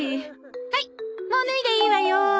はいもう脱いでいいわよ。